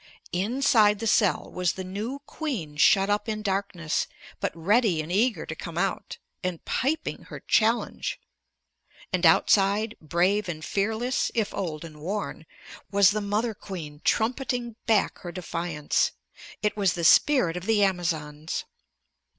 Inside the cell was the new queen shut up in darkness, but ready and eager to come out, and piping her challenge. And outside, brave and fearless, if old and worn, was the mother queen trumpeting back her defiance. It was the spirit of the Amazons.